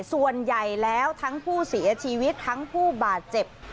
ส่วนใหญ่แล้วทั้งผู้เสียชีวิตทั้งผู้บาดเจ็บ